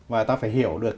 và ta phải hiểu được